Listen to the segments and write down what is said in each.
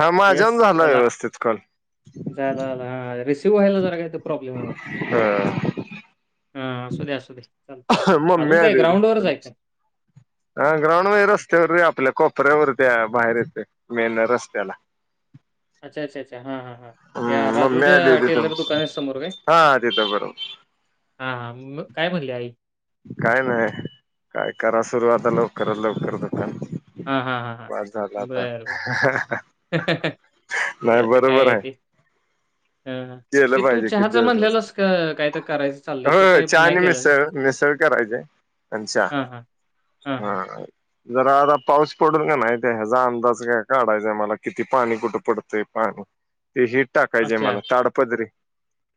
हा माझ्याण झाला व्यवस्थित कॉल झालं झालं हा रिसिव्ह व्हायला जरा काही तर प्रॉब्लेम आहे वाटत. ह हा असू दे्या असू दे चालते मम्मी अजून काय आली होती ग्राउंड वरचय तुमची काय? हा ग्राउंड म रस्त्यावर आपल्या कोपऱ्यावरती बाहेर येत मेन रस्त्याला [inaudible] अच्छा, अच्छा, अच्छा, हा, हा या हम्म मम्मी आली राजूच्या होती टेलर तुमची दुकानात समोर काय? हा तिथं बरोबर हा म काय म्हणले आई? काय नाही काय करा सुरुवात लवकरच लवकर हां, हां, हां, - बास झालं हां. आता? बरं, बरं. हाह हा ते आता काय आहे ते हां, हां. ते केलं तू पाहिजे किती चहाचं दिवस म्हणलेलास का काय तर करायचं चाललंय ते हो काय चहा नाही आणि केलं ना? मिसळ. स करायचे आणि चहा हां, हां. हां, हां. हा. जरा आता पाऊस पडल का नाहीत ह्याचा अंदाज काय काढायचाय मला किती पाणी, कुठं पडतं पाणी? ते हि टाकायचे अच्छा. मला ताडपदरी.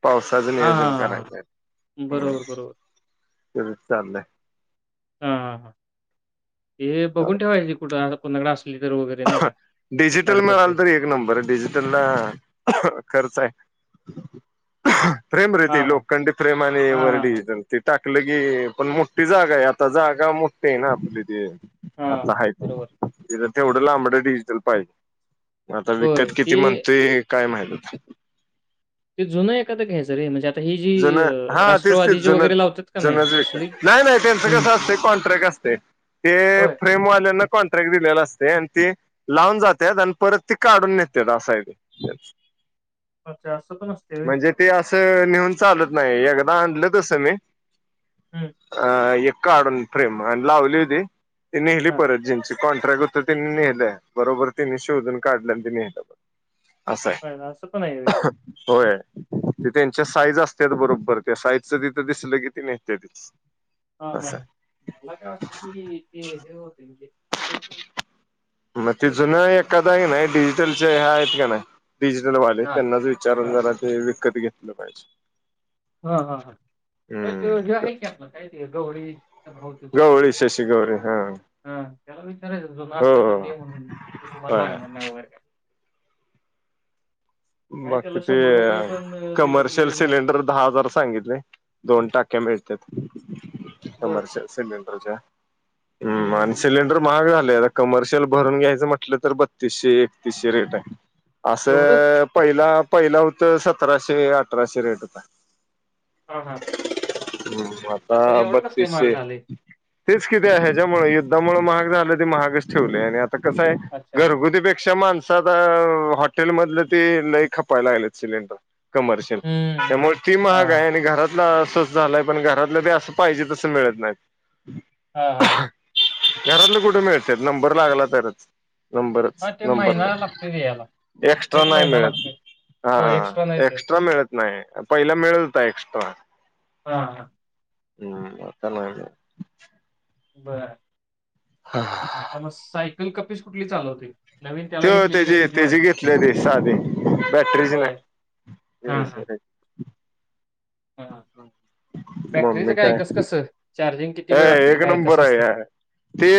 पावसाचं हां, हां, नियोजन हां, हां. करायचं आहे हम् बरोबर, बरोबर. त्याचंच चाललंय. हा हे बघून ठेवायची कुठ कोणाकडे अस डिजिटल मिळाल तरी एक नंबर आहे डिजिटलला खर्च आहे. फ्रेम हां, रेती हां. लोकखंडी फ्रेम आणि व हां, हां, हां. डिजिटल त टाक कल की पण मोठ्ठी जागा आहे आता जागा मोठ्ठी आहे ना आपली ते आता हां, आहे बरोबर. तिथे तेवढं लांबड डिजिटल पाहिजे आता होय, विकत ते किती म्हणतोय काय माहित आता. ते जुन एखकादा घ्यायचं रे म्हणजे ही जी जुन अ, हा तेच तेच राष्ट्रवादीची जुनच वगैरे लावतात का नाही जुनंच तसली? नाही नाही त्यांचं कस हं. असते कॉन्ट्रॅक्ट असते ते होय. फ्रेमवाल्या कॉन्ट्रॅक्ट दिलेला असते आणि ते लावून जातात आणि परत ते काढून नेत्यात असय त्याचं. अच्छा असं पण असते होय? म्हणजे ते असं नेऊन - नाही एकदा आणलं तसं मी. हं. काढून फ्रेम आणि लावली त ती नेली हां. परत जिंची कॉन्ट्रॅक्ट होत त्यांनी नेलंय बरोबर तिने शोधून काढलं आणि नेलं अस होय, असं पण होय. आहे होय त त्यांच्या साईज असत बरोबर त्या साईजच तिथं दिसलं कि ते नेत्यातीच हा हा मला काय वाटतं कि ते हे होते म्हणजे मग ते मिळते जुन वाटतं एखाद त्यांना. आहे का नाही डिजिटलचे ह्या आहेत का नाही डिजिटलवाले हां, त्यांनाच विचारून हां. जरा ते विकत घेतलेलं पाहिजे हा हा हा हम्म जय क आ काय गवळी गवळी शशी गवळी हा हा त्याला विचारायचं जून हो आसल् हो तर दे म्हणून ते तुम्हाला होय लागणार नाही वैगेरे काय. नाही त्याला बाकी ते पण अ, दिलं तर कमर्शियल लय झालं. सिलेंडर. दहा हजार सांगितले दोन टाक्या मिळत बरं. कमर्शियल सिलेंडरच्या हं, हम् आणि हं, हं. सिलैडर माहाग झा कमर्शियल भरून घ्यायचं म्हटलं तर बत्तीसशे एकतीसशे रेट आहे अस. एवढं? पहिला पहिला होत सतराशे अठराशे रेट होता. हा हा हम् आता बत्तीसशे झालंय? तेच किती आहे ह्याच्यामुळे युद्धामुळे महाग झालं त महागच अच्छा. अ माणसात हॉटेल मधले त लई खपायला लागलेत सिलेंडर कमर्शियल हं, हं. त्यामुळे ती महाग हां. आहे आणि घरात स्वस्त झालाय पण घरातलं बी असं पाहिजे तस मिळत नाही हा हा हा घरातलं कुठे मिळतय नंबर लागला तरच नंबरच हां, ते नंबर महिना लागतोय ते याला. एक्स्ट्रा एा नाही महिना मिळत लागतोय. ह हो, एक्स्ट्रा नाही ते. एक्स्ट्रा मिळत नाही पहिला मिळत होय हा हा हम्म आता नाय मिळत बर आता मग सायकल कपीस कुठली चालवतूय ते तेची तेची घेतले ती साधी बॅटरीच होय. नाही [inaudible] ह बॅटरीच काय कस कस चार्ज अ एक नंबर आहे ते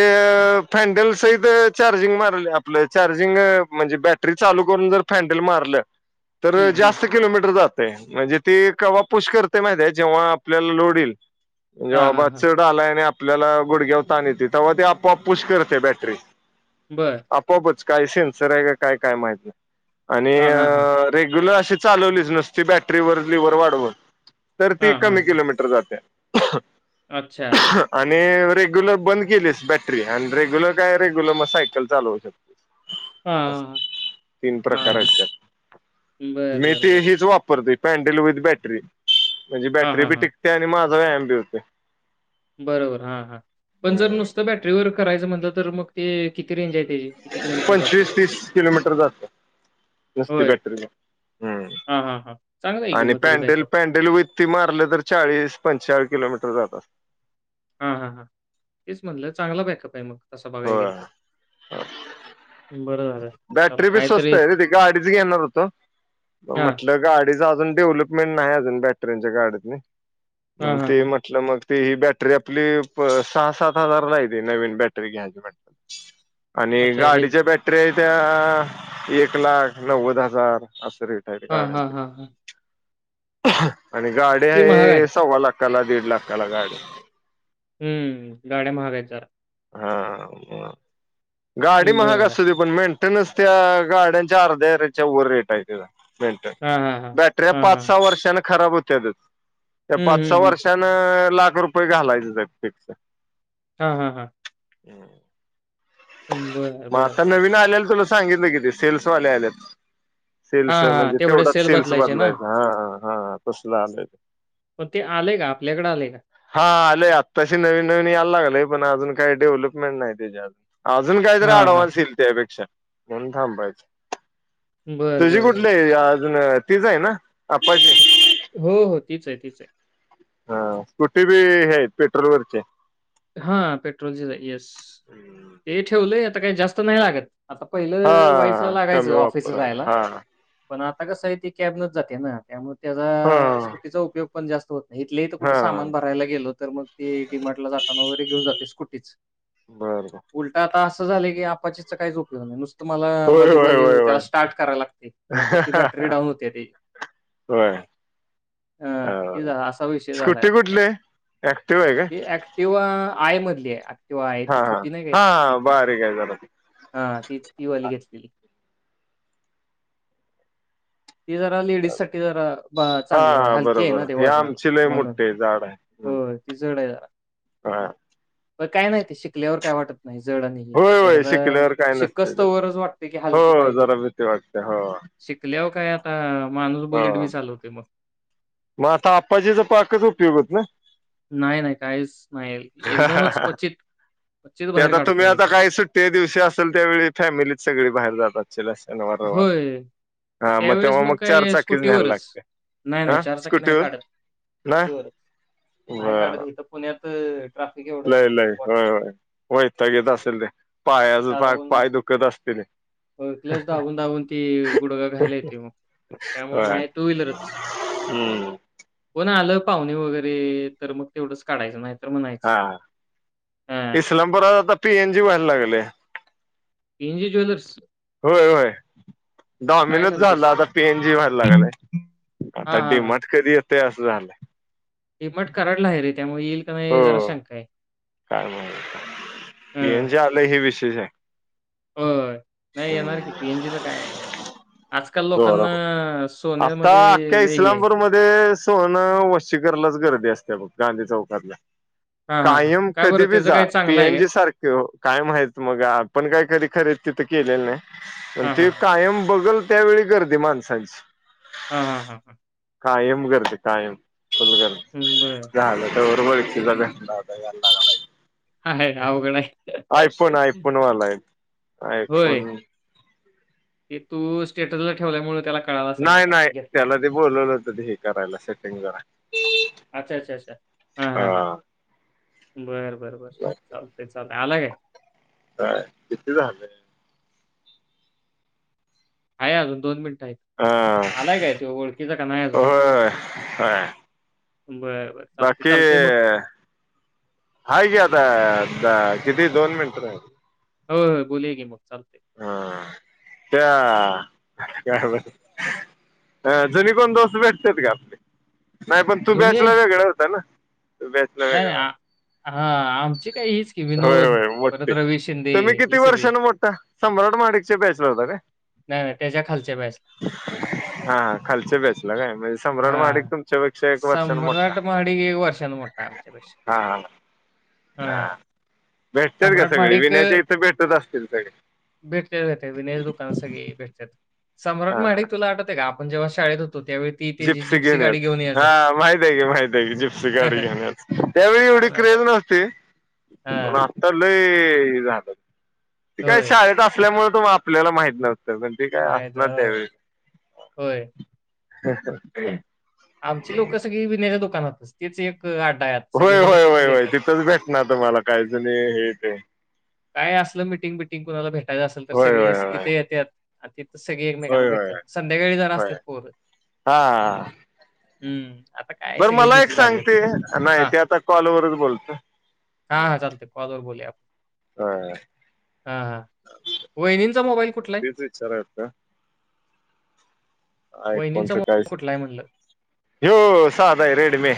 फॅडल सहित च चार्जिंग मारल्या आपलं चार्जिंग म्हणजे बॅटरी चालू करून जर फॅन्डल मारलं तर हं, हं. जास्त किलोमीटर जातय म्हणजीं ते कवा पुश करतय माहिती आहे जेव्हा आपल्याला लोड येईल म्हणजे हा हा बाबा हा चढ आलाय आणि आपल्याला गुडघ्यावता आणि त तेव्हा ते आपोआप पुश करत्या बॅटरी बरं. आपोआपच काय सेनसर आहे का काय काय माहित नाही हां, हां, हां. आणि रेग्युलर अशी चालवलीच नुसती बॅटरीवर लिवर वाढवून तर ती हां, हां, कमी हां. किलोमीटर जाते अच्छा. आणि रेग्युलर बंद केलीस बॅटरी आणि रेग्युलर काय रेग्यूलर मग सायकल चालवू हां, शकतेस हां, हां. तीन हां, प्रकार हां. आहेत त्यात बरं, मी बरं, ते बरं. हीच वापरतूय पॅनडल विथ बॅटरी म्हणजे हां, बॅटरी हां, बी हां. टिकते आणि माझा व्यायाम बी होतंय बरोबर हा हा पण जर होतोय नुसतं बॅटरीवर करायचं म्हटलं तर मग ते किती रेंज आहे त्याची? किती किलोमीटर जाते? पंचवीस तीस किलोमीटर जात नुस्ती होय. बटरी हम्म हां, हां, हां. चांगला आहे की आणि मग तरी पॅनडेल बॅकअप. पॅडेल वती मारले तर चाळीस पंचाळीस किलोमीटर जात बर हा हा हा तेच म्हटलं चांगला बॅकअप आहे मग तसा बघाय गेल होय तर बरं झालं. त्याला बॅटरी बी स्वस्त काहीतरी आहे रे त गाडीच घेणार होतो म हां, म्हटलं गाडी च अजून डेव्हलपमेंट नाही अजून बॅटरच्या गाडीत हां, हां, ते हां. म्हटलं मग ते ही बॅटरी आपली सहा सात हजारला आहेे ते नवीन बॅटरी घ्यायची म्हणल्यावर आणि अच्छा हे गाडीच्या बॅटरी आहेत त्या एक लाख नव्वद हजार अस गाड्यां हां, हां, हां, हां. आणि गाडी ते महाग आहे सव्वा लाख त्याला दीड लाखाकाला गाडी हम्म गाड्या महागाय जरा हा गाडी हं, महाग बरं. असू दे पण मेंत गाड्यांच्या अर्ध्या अरच्या वर रेट आहे मिनट हां, हां, हां. बॅटरी हां, हां. पाच सहा वर्षांने खराब होत्यातच त्या हं, पाच सहा हं, हं. वर्षान लाख रुपये घालायचं फिक्स हा हा हा हम्म.. हं, बरं, मग बरं, आता बरं. नवीन आलेला तुला सांगितलं कि, ते सेल्सवाले आलेत. सेल्स हां, हां. म्हणजे तेवढे तेवढाच सेल सेल्स बदलायचे ना? बदलायचं हा ह हा तसलं आलंयच ते. पण ते आलेय का? आपल्याकडे आलंय का? हा आलंय आत्ताशी नवीन नवीन यायला लागलेय पण अजून काही डेव्हलपमेंट नाही त्याचीअजून अजून काहीतरी हां, हां. अँडव्हान्स येईल त्यापेक्षा.. म्हणून थांबायचं बरं, तुझी बरं, बरं. कुठली आहे आज? अजून तिचं आहे ना आप्पाची.. हो हो तीच आहे. तीच आहे. हा स्कुटी बी ही आहे पेट्रोल वरचे. हा पेट्रोलचीच आहे. येस ते ठेवलंय आता काही जास्त नाही लागत. आता पहिलं वाईफला हा लागायचं. कमी ऑफिस वापराला जायला. हा पण आता कसं आहे.. ती कॅबने जाते ना... त्यामुळे त्याचा हा स्कूटीचा उपयोग पण जास्त होत नाही. इथले इथं कुठे हा सामान भरायला गेलो तर मग ते डी मार्टला जाता वगैरे घेऊन जाते स्कुटीच. बर बर झालं की अप्पाचीचा काहीच उपयोग नाही. नुसत तुम्हाला होय मध्ये होय मध्ये त्याला होय स्टार्ट करायला लागते. नाहीतर ती बॅटरी डाऊन होते त्याची. होय अ ते झालं असा विषय झालाय स्कुटी आता कुठली त्याचा. आहे? ऍक्टिवा आहे का? आय मधली आहे. तेव्हा आहे हा ती हा छोटी नाही का स्कुटी हा ती बारीक आहे जरा हा ती ती वाली घेतलेली. ती जरा लेडीज साठी जरा हा चांगली म्हणजे हा हलकी आहे. बरोबर ना ते हे वजनाला आमची लय म्हणून.. मोठी आहे झाड आहे हम्म हो ती जड आहे जरा. हा पण काय नाही ते शिकल्यावर काय वाटत नाही जड नाही हे होय होय एकदा शिकल्यावर काय नसते ते काय शिकोस्तवरच वाटते की हलकी हो पाहिजे. जरा भीती वाटते हो शिकल्यावर काय आता माणूस बुलेट हो बी चालवते मग. मग आता आप्पाजीचा पाकच उपयोग होत नाही? नाही नाही काहीच नाही एकदमच क्वचित क्वचित ते बाहेर आता तुम्ही काढतोय मी आता त्याला. काय सुट्टीच्या दिवशी असेल त्यावेळी फॅमिलीत सगळी बाहेर जातात. होय हा त्यावेळेस तेव्हा मग चार काय चाकीच न्यायला स्कुटीवरच लागते नाही नाही हा चार चाकी नाही स्कुटीवर काढत. ना स्कूटीवरच नाही बर काढत. इथ पुण्यात ट्राफिक एवढं लय आहे लय नको वाटतं. होय होय वैताग येत असेल ते पायाच पाक पाय दुखत असतील ते क्ल्टच दाबून दाबून ती गुडगा घायला येतोय मग त्यामुळे होय नाही. टू वहीलरच... हम्म कोण आलं? पाहुणे वगैरे तर मग तेवढंच काढयचं नाहीतर हा इस्लामपुरात आता पीएन जी व्हायला लागलंय. पीएनजी ज्वेलर्स होय होय काय डॉमिनोज सांगतोयस? झाला. आता पीएन जी व्हायला लागलंय. आता हां, डी मार्ट कधी येताय? ते असं झालं डी मार्ट कराडला आहे रे... त्यामुळे येईल का नाही जरा हो शंका आहे. काय माहित आता. हं, पीएनजी आलं हे विशेष आहे. होय नाही येणार की पीएन जी ला काय आहे. हो आता अख्या सोन्यामध्ये लय हे आहे. इस्लामपूर मध्ये सोन वशिक दुकानालाच गर्दी असते बग गांधी चौकातल्या हां, हां, हां. कायम का बरं कधी बी त्याचं जा. काही चांगलं आहे काय? पीएनजी सारखे कायम आहेच मग आपण काय कधी खरे तिथं केलेलं नाही. पण हां, ते हां, हां. कायम बघल त्यावेळी गर्दी माणसांची. हा हा हा हा कायम गर्दी. कायम फुल हां. बरं. गर्दी झालं र कला आहेला [inaudible] आहे अवघड आहे. आयफोन आयफोन वाला आहे [unintelligible] होय. आयफोन ते तू स्टेटसला ठेवलाय मुळ त्याला कळालं असेल नाही आता नाही घेतलाय. त्याला ते बोलवलं होत ते हे करायला सेटिंग कराय छ [unintelligible] हा हा हा बर बरं बर चालत चाल आला काय का तेथे झालं आहे अजून दोन मिनिट हा आलाय काय तो ओळखीचा का नाही अजून होय होय बरं, बरं. चालतंय, बाकी चालतंय मग. हाय गता [unintelligible] किती दोन मिनिटं राहील होय होय बोल गी मग चाल हा त्या अ जणी कोण दोस भेटत्यात ग आपले नाही पण तू जुनी बॅचला वेगळा होता ना तू बॅचला नाही, नाही. वेगळा आ हां, आमची काय हीच की होय विनोद, होय मोठी परत रवी शिंदे तुम्ही किती ही सगळी. वर्षान मोठ सम्राट महाडीक बॅचला हुता काय नाय नाय त्याच्या खालच्या बॅचला हा खालच्या बॅचला काय म्हणजे सम्राट हां. महाडीक तुमच्यापेक्षा एक वर्षान मोठा कामच्या [unintelligible] बस हा हा [unintelligible] हा भेटतात का सगळे विनयाच्या इथे भेटत असतील सगळे भेटलेे विनेयच दुकान सगळी भेटत्यात सम्राट हा हा महाडीक तुला आठवतंय का पण जेव्हा शाळेत होतू जिप्सी घेऊन याच हा माहित आहे की माहित आहे की जिप्सी गाडी हा घेनच त्यावळी एवढी ना क्रे त्यात ते हा असता [unintelligible] ते झाल ते काय होय शाळेत असल्यामुळे तु आपल्याला माहित नव्हत पण ते काय माहित असणार आहे, हो. त्यावेळे होय आमची लोक सगळी विण्याच्या दुकानातच तेच एक अड्डा आहे आता. होय सगळेजण होय वय तिथेच वय येतात तिथंच भेटणार तुम्हाला काहीच नाही हे ते काय असलं मिटिंग बिटिंग कुणाला भेटायचं असेल तर होय सगळी होय होय तिथे येत्यात सगळी एकमेकांना होय होय भेटत्यात संध्याकाळी जरा होय असतात पोर हम्म आता काय बर सगळे मला एक बिझी झालेत सांगते नाही हा ते आता कॉलवररच बोलत हा चालतंय कॉल वर बोलूया हा आपण हा वहिणींचा मोबाईल कुठलाय तेच विचारायचं आय फोन मोबाईल कायच कुठला आहे म्हणलं? ह्यु साधय रेडमी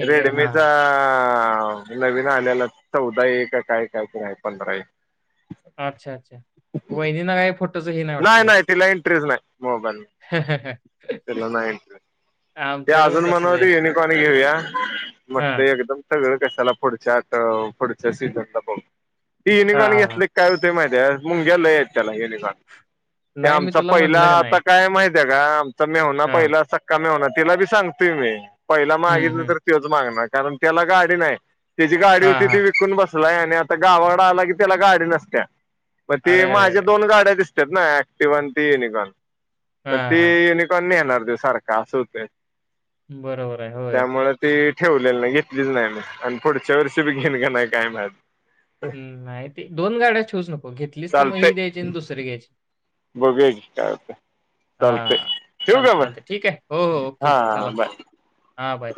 आहे काय? हां, रेडमीचा हां. हा नवीन आलेला चवदा ये काय काय तर आहे पंधरा ये अच्छा अच्छा वहिनी ना काय फोट त ह [unintelligible] नाही वाटत जास्त तिला इंटरेस्ट नाही मोबाईल तिला नाही इंटरेस्ट ते आमच्याकडे पण अजून तसंच म्हणत आहे. युनिकॉर्न घेऊया म्हटलं हां. एकदम सगळं कशाला पुढच्यातव पुढच्या सीझनला बघू ती हां, युनिकॉर्न हां, हां. घेतल काय हुतय माहिती मुंग्या लय त्याला युनिकॉर्न ते नाही मी आमचा तुला पहिला म्हणलं का आता नाही. काय माहि का [unintelligible] आमचा म्हेवणा हां. पहिला सक्का म्हेवणा तिला बी सांगतोय मी पहिला हं, मागितलं हं. तर त्यौच मागणार कारण त्याला गाडी नाही त्याची गाडी हां, होती ती हां. विकून बस आता गावाकड आला की त्याला गाडी नसत्या मग अरे, ते अरे, माझ्या अरे! दोन गाड्या दिसत ना अँक्टिवा आणि ती युनिकॉन मग हां, ती हां. युनिकॉन न्हेहणार त्यू सारखं असं होतय बरोबर आहे होय ठेवलेलं नाही घेतलीच नाही मी आणि पुढच्या वर्षी बी घेन का नाही काय माहित हम नाही ते दोन गाड्या ठेऊच नको घेतलीच तर मग चालतंय ही द्यायची आणि दुसरी घ्यायची बघूया की काय होतंय चालतंय हा ठेवू चालत का मग? चालत ठीके, हो हो हा ओके चला. बाय. हा बाय.